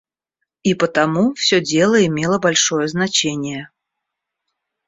И потому всё дело имело большое значение.